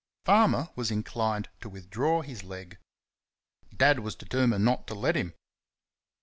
Farmer was inclined to withdraw his leg. Dad was determined not to let him.